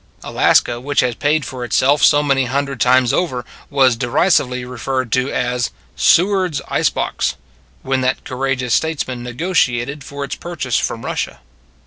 Alaska, which has paid for itself so many hundred times over, was derisively referred to as " Seward s Ice Box " when that courageous statesman negotiated for its purchase from Russia.